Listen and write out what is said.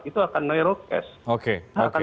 itu akan neuralcast akan